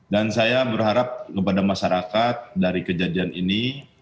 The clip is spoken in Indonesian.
dan saya berharap kepada masyarakat dari kejadian ini